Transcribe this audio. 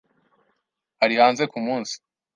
Ari hanze kumunsi.